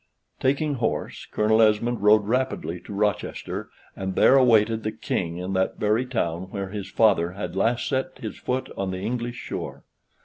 Taking horse, Colonel Esmond rode rapidly to Rochester, and there awaited the King in that very town where his father had last set his foot on the English shore.